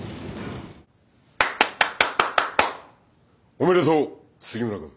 おめでとう杉村君。